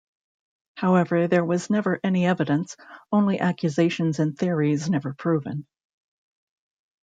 However, there was never any evidence, only accusations and theories never proven.